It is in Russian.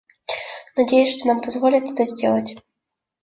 Надеюсь, что нам позволят это сделать.